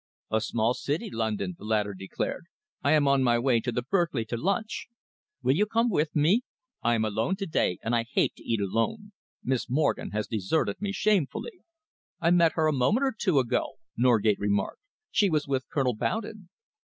"A small city, London," the latter declared. "I am on my way to the Berkeley to lunch. Will you come with me? I am alone to day, and I hate to eat alone. Miss Morgen has deserted me shamefully." "I met her a moment or two ago," Norgate remarked. "She was with Colonel Bowden."